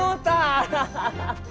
アハハハ！